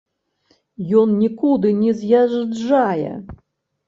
Ён нікуды не з'язджае.